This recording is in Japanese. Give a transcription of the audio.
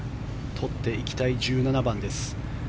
とっていきたい１７番です。